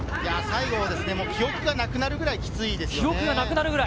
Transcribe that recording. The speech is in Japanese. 最後記憶がなくなるぐらいきついんですよ。